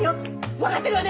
分かってるわね！